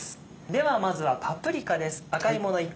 ではまずはパプリカです。